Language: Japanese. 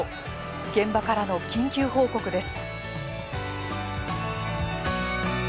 現場からの緊急報告です。